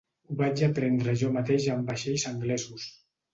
Ho vaig aprendre jo mateix en vaixells anglesos.